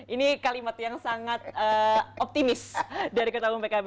ini kalimat yang sangat optimis dari ketahuan pkb